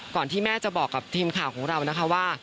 ก่อนที่แม่จะบอกกลับทีมข่าวของเรา